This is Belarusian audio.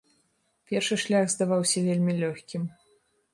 Першы шлях здаваўся вельмі лёгкім.